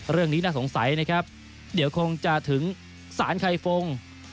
เรื่องนี้น่าสงสัยนะครับเดี๋ยวคงจะถึงสารไข่ฟง